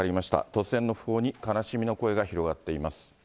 突然の訃報に悲しみの声が広がっています。